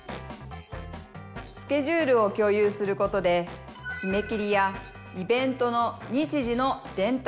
スケジュールを共有することでしめ切りやイベントの日時の伝達